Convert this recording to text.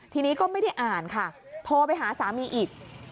ทีนี้ก็ไม่ได้อ่านค่ะโทรไปหาสามีอีก